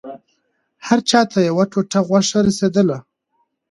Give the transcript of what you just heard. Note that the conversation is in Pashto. هر چا ته يوه ټوټه غوښه رسېدله.